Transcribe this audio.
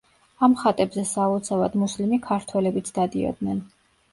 ამ ხატებზე სალოცავად მუსლიმი ქართველებიც დადიოდნენ.